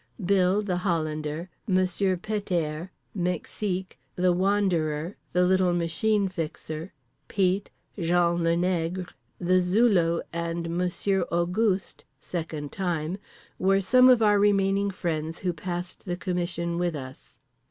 Bill the Hollander, Monsieur Pet airs, Mexique, The Wanderer, the little Machine Fixer, Pete, Jean le Nègre, The Zulu and Monsieur Auguste (second time) were some of our remaining friends who passed the commission with us.